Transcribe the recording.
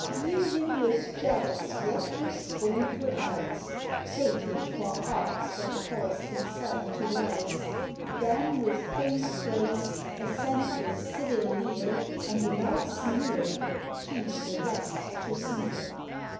View him with jealous yet with scornful eyes, Hate him for arts that caus'd himself to rise, Damn with faint praise, assent with civil leer, And without sneering teach the rest to sneer.